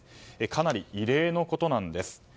かなり異例のことなんです。